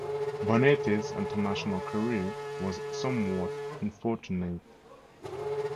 Bonetti's international career was somewhat unfortunate.